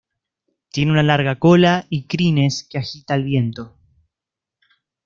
Tiene una larga cola y crines que agita el viento.